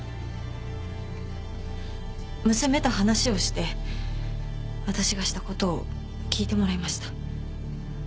娘と話をして私がしたことを聞いてもらいました。